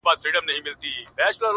زما د زړه په هغه شين اسمان كي،